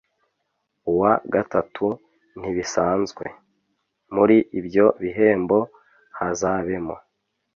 uwa gatatu ntibisanzwe! Muri ibyo bihembo hazabemo